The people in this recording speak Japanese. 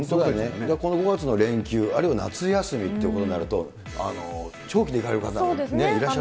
この５月の連休、あるいは夏休みっていうことになると、長期で行かれる方もいらっしゃいますからね。